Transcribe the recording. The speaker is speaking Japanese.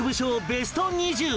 ベスト２０